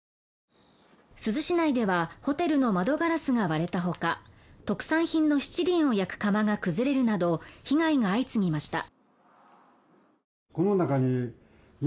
珠洲市内ではホテルの窓ガラスが割れたほか特産品のしちりんを焼く窯が崩れるなど被害が相次ぎました。